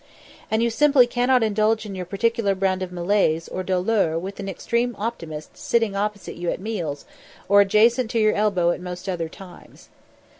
And you simply cannot indulge in your particular brand of malaise or dolour with an extreme optimist sitting opposite you at meals, or adjacent to your elbow at most other times.